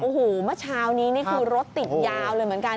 โอ้โหเมื่อเช้านี้นี่คือรถติดยาวเลยเหมือนกัน